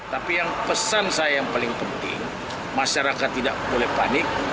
tapi yang pesan saya yang paling penting masyarakat tidak boleh panik